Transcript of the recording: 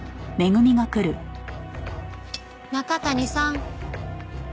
中谷さん。